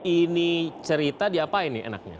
ini cerita diapain nih enaknya